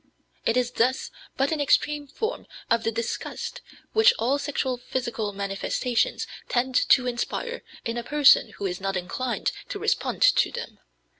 It is thus but an extreme form of the disgust which all sexual physical manifestations tend to inspire in a person who is not inclined to respond to them.